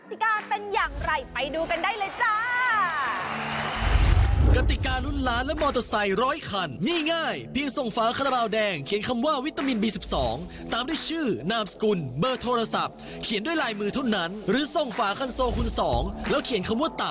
ส่งกันเข้ามาเยอะยิ่งส่งมากยิ่งมีสิทธิ์มากนะคะ